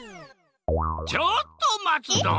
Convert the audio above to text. ちょっとまつドン！